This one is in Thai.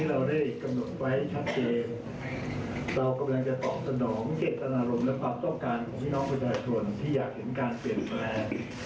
เราได้กำหนดไว้ชัดเจนเรากำลังจะตอบสนองเจตนารมณ์และความต้องการของพี่น้องประชาชนที่อยากเห็นการเปลี่ยนแปลง